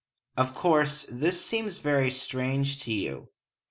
Of course, this seems very strange to you.